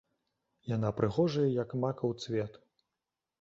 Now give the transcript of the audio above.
Яна прыгожая, як макаў цвет.